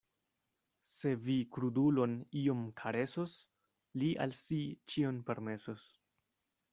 Se vi krudulon iom karesos, li al si ĉion permesos.